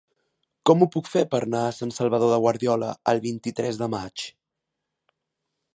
Com ho puc fer per anar a Sant Salvador de Guardiola el vint-i-tres de maig?